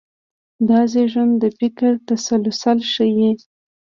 دا زېږون د فکر تسلسل ښيي.